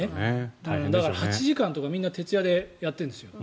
だから、８時間とかみんな徹夜でやっているんですよ。